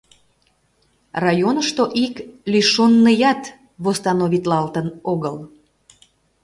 Районышто ик лишённыят восстановитлалтын огыл.